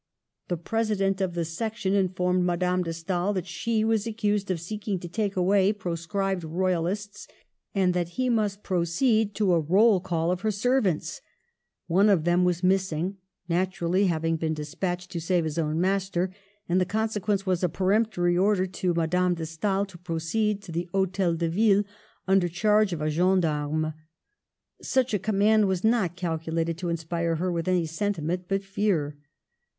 The President of the Section informed Madame de Stael that she was accused of seeking to take away proscribed royalists, and that he must pro ceed to a roll call of her servants. One of them was missing, naturally, having been despatched to save his own master; and the consequence was a peremptory order to Madame de Stael to proceed to the HStel de Ville under charge of a gendarme. Such a command was not calculated to inspire her with any sentiment but fear.